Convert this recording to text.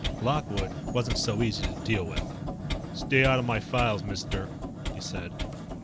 Lockwood wasn't so easy to deal with. "Stay out of my files, mister," he said.